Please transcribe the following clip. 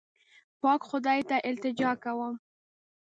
پاک خدای ته التجا کوم.